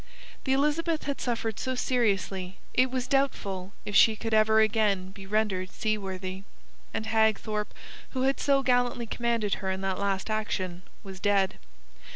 The Elizabeth had suffered so seriously that it was doubtful if she could ever again be rendered seaworthy, and Hagthorpe, who had so gallantly commanded her in that last action, was dead.